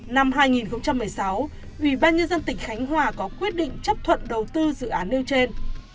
năm hai nghìn một mươi sáu ủy ban nhân dân tỉnh khánh hòa có quyết định chấp thuận đầu tư dự án nêu trên